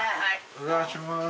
お邪魔します。